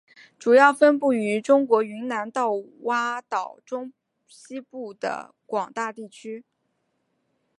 主要分布于中国云南到爪哇岛中西部的广大地区。